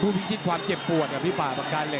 พวกมันพิษชิดความเจ็บปวดกับพี่ป่าปากกาเหล็ก